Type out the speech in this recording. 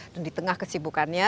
di tengah kesibukannya